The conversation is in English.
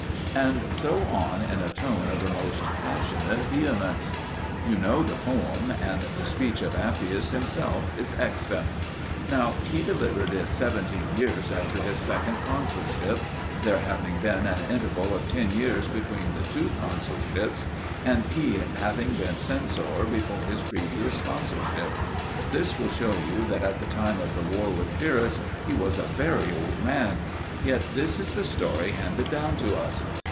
And so on in a tone of the most passionate vehemence. You know the poem, and the speech of Appius himself is extant. Now, he delivered it seventeen years after his second consulship, there having been an interval of ten years between the two consulships, and he having been censor before his previous consulship. This will show you that at the time of the war with Pyrrhus he was a very old man. Yet this is the story handed down to us.